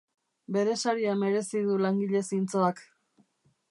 Bere saria merezi du langile zintzoak.